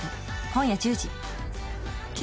今夜１０時。